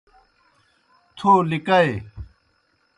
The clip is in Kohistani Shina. تھو لِکائے۔